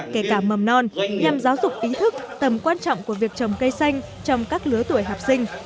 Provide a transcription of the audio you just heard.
kể cả mầm non nhằm giáo dục ý thức tầm quan trọng của việc trồng cây xanh trong các lứa tuổi học sinh